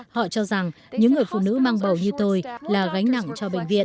họ cho rằng những người phụ nữ mang bầu như tôi là gánh nặng cho bệnh viện